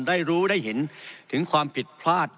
ได้รู้ได้เห็นถึงความผิดพลาด